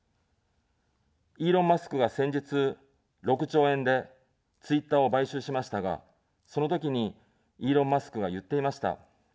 イーロン・マスクが先日、６兆円でツイッターを買収しましたが、そのときに、イーロン・マスクが言っていました。